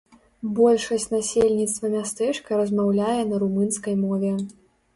Большасць насельніцтва мястэчка размаўляе на румынскай мове.